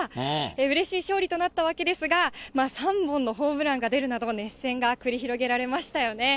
うれしい勝利となったわけですが、３本のホームランが出るなど、熱戦が繰り広げられましたよね。